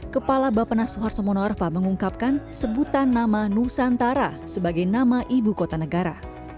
kepala bapak nasuhar somonorfa mengungkapkan sebutan nama nusantara sebagai nama ibu kota negara